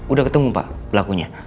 udah ketemu pak pelakunya